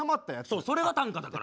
そうそれが短歌だから。